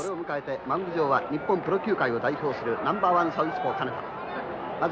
マウンド上は日本プロ球界を代表するナンバーワンサウスポー金田。